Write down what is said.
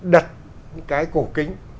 đặt cái cổ kính